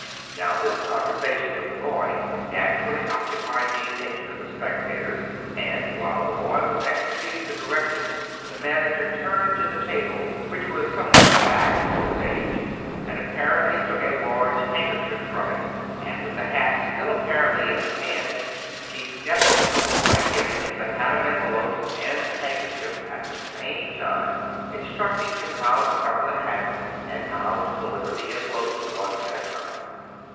Now, this conversation with the boy naturally occupied the attention of the spectators ; and while the boy was executing the directions the manager turned to the table, which was somewhat back on the stage, and appar ently took a large handkerchief from it, and with the hat still apparently in his hand, he stepped to the boy, giving him the hat of envelopes and the handkerchief, at the same time instructing him how to cover the hat, and how to de 266 David P. Abbott liver the envelopes one at a time.